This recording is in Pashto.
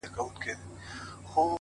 پردې ځمکه قيامونه -